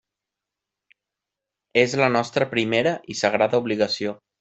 És la nostra primera i sagrada obligació.